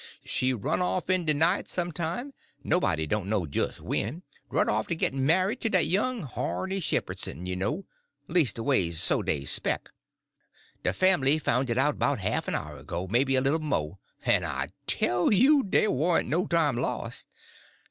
She run off in de night some time—nobody don't know jis' when; run off to get married to dat young Harney Shepherdson, you know—leastways, so dey 'spec. De fambly foun' it out 'bout half an hour ago—maybe a little mo'—en' I tell you dey warn't no time los'.